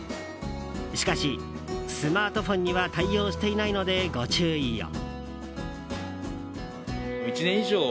しかし、スマートフォンには対応していないのでご注意を。